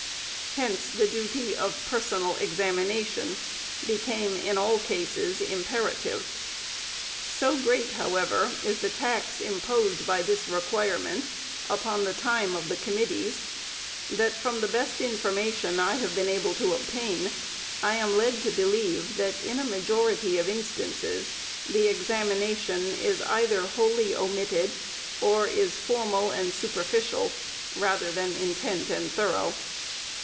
Hence the duty of personal examination became, in all cases, imper ative. So great, however, is the tax imposed by this requirement upon the time of the committees, that from the best information I have been able to obtain, I am led to believe, that in a majority of instances, the examination is either wholly omitted, or is formal and superficial, rather than intent and thorough.